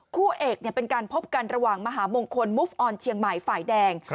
คู่เอกเป็นการพบกันระหว่างมหามงคลมุฟออนเชียงใหม่ฝ่ายแดง